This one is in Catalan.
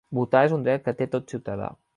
Votar és un dret que té tot ciutadà.